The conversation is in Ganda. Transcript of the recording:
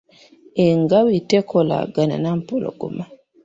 Engabi tekolagana na mpologoma.